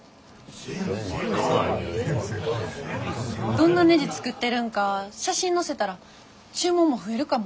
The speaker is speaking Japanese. どんなねじ作ってるんか写真載せたら注文も増えるかも。